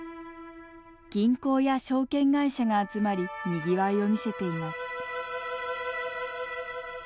銀行や証券会社が集まりにぎわいを見せています。